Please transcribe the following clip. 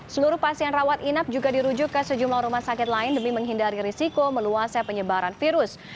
seluruh pasien rawat inap juga dirujuk ke sejumlah rumah sakit lain demi menghindari risiko meluasnya penyebaran virus